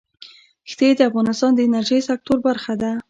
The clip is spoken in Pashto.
ښتې د افغانستان د انرژۍ سکتور برخه ده.